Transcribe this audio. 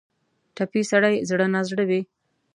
ټپي سړی زړه نا زړه وي.